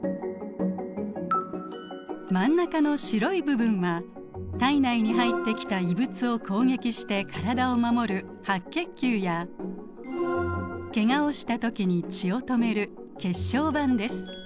真ん中の白い部分は体内に入ってきた異物を攻撃して体を守る白血球やケガをしたときに血を止める血小板です。